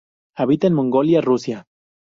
Habita en Mongolia, Rusia.